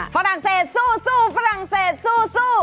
ฝรั่งเศสสู้ฝรั่งเศสสู้